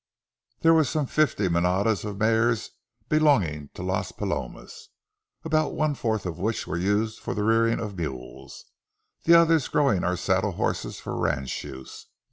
There were some fifty manadas of mares belonging to Las Palomas, about one fourth of which were used for the rearing of mules, the others growing our saddle horses for ranch use.